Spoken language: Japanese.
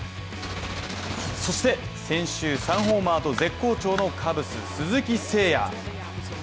そして、先週３ホーマーと絶好調のカブス・鈴木誠也